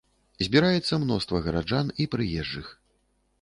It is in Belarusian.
Збіраецца мноства гараджан і прыезджых.